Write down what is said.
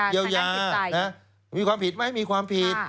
เยียวยามีความผิดไหมมีความผิด